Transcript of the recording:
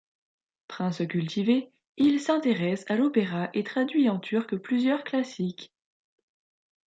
Prince cultivé, il s'intéresse à l'opéra et traduit en turc plusieurs classiques.